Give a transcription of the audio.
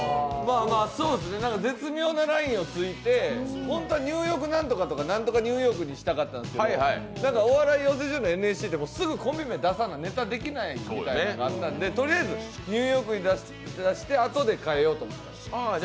そうですね、絶妙なラインを突いて本当はニューヨーク何とか、何とかニューヨークにしたかったんですけど、お笑い養成所のＮＳＣでもすぐコンビ名出さないとネタできないのでとりあえずニューヨークで出してあとで変えようと。